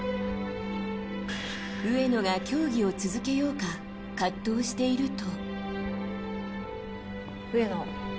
上野が競技を続けようか葛藤していると。